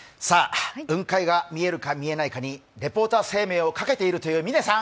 雲海が見えるか見えないかにレポーター生命をかけているという嶺さん。